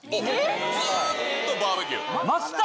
ずっとバーベキュー？